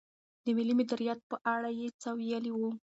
د مالي مدیریت په اړه یې څه ویلي وو؟